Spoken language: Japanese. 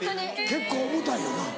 結構重たいよな。